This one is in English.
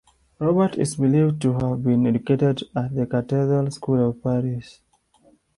Robert is believed to have been educated at the Cathedral School of Paris.